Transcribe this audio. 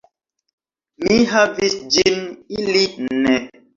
Mi havis ĝin, ili ne.